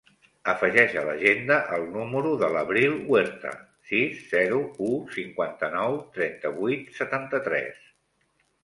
Afegeix a l'agenda el número de l'Abril Huerta: sis, zero, u, cinquanta-nou, trenta-vuit, setanta-tres.